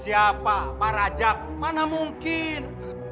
siapa pak rajak mana mungkin